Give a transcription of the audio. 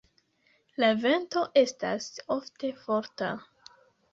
La vento estas ofte forta.